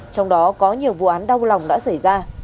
trong đó có nhiều vụ án đau lòng đã xảy ra